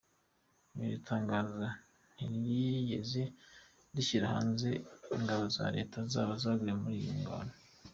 Iri tangazo ntiryigeze rishyira hanze ingabo za leta zaba zaguye muri iyi mirwano.